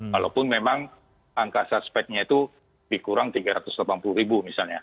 walaupun memang angka suspeknya itu dikurang tiga ratus delapan puluh ribu misalnya